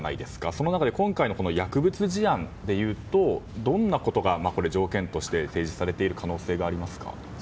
その中で今回の薬物事案でいうとどんなことが条件として提示されている可能性がありますか。